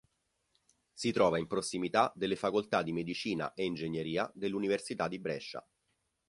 Si trova in prossimità delle facoltà di Medicina e Ingegneria dell'Università di Brescia.